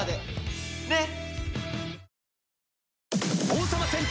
ねっ！